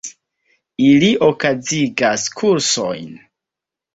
Ili okazigas kursojn.